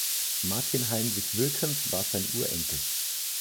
Martin-Heinrich Wilkens war sein Urenkel.